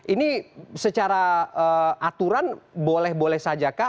ini secara aturan boleh boleh saja kah